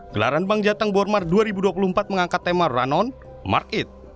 gelaran bank jateng borobudur marathon dua ribu dua puluh empat mengangkat tema run on mark it